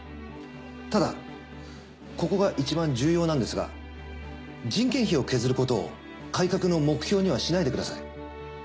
ただここがいちばん重要なんですが人件費を削ることを改革の目標にはしないでください。